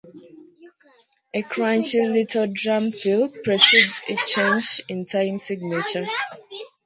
A crunchy little drum fill precedes each change in time signature.